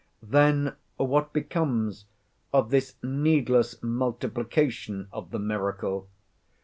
Then what becomes of this needless multiplication of the miracle?